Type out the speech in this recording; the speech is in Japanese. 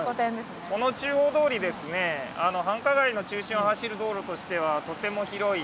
この中央通りですね繁華街の中心を走る道路としてはとても広い。